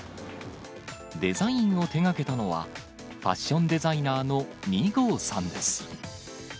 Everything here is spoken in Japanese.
デザインを手がけたのは、ファッションデザイナーのニゴーさんです。